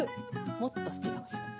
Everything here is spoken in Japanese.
もっと好きかもしれない。